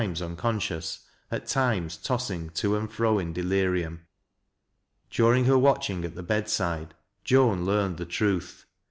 os uncon cious, at times tossing to and fro in delirium. During her watching at the bedside, Joan learned the truth.